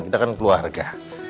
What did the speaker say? kita kan keluarga